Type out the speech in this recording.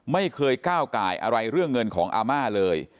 ไม่เคยก้าวไก่อะไรเรื่องเงินของอาม่าเลย